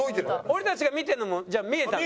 俺たちが見てるのもじゃあ見えたんだ。